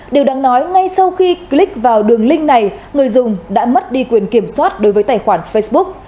điều đáng nói ngay sau khi click vào đường link này người dùng đã mất đi quyền kiểm soát đối với tài khoản facebook